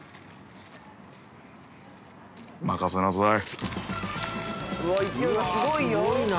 任せなさい。